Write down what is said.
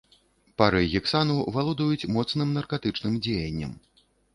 Пары гексану валодаць моцным наркатычным дзеяннем.